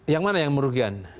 yang mana yang merugikan